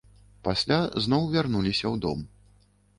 Пасля зноў вярнуліся ў дом.